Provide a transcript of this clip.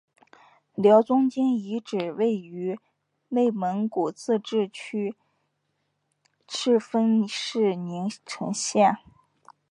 辽中京遗址位于内蒙古自治区赤峰市宁城县。